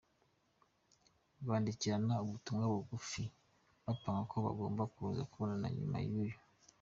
bandikirana ubutumwa bugufi bapanga ko bagomba kuza kubonana nyuma yuyu.